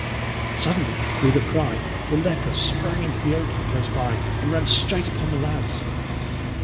Suddenly, with a cry, the leper sprang into the open close by, and ran straight upon the lads.